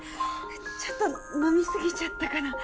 ちょっと飲みすぎちゃったかな